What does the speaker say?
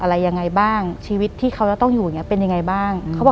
หลังจากนั้นเราไม่ได้คุยกันนะคะเดินเข้าบ้านอืม